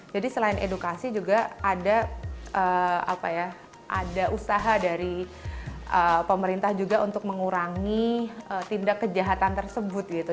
jadi selain edukasi juga ada usaha dari pemerintah juga untuk mengurangi tindak kejahatan tersebut gitu